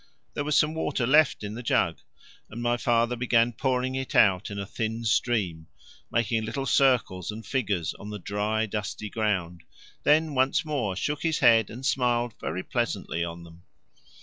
There was some water left in the jug, and my father began pouring it out in a thin stream, making little circles and figures on the dry dusty ground, then once more shook his head and smiled very pleasantly on them.